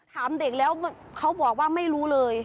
ถามเด็กแล้วเขาบอกว่าไม่รู้เลย